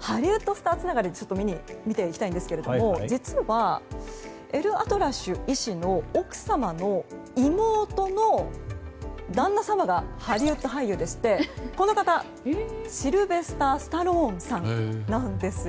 ハリウッドスターつながりで見ていきたいんですが実は、エルアトラッシュ医師の奥様の妹の旦那様がハリウッド俳優でしてこの方シルベスター・スタローンさんなんです。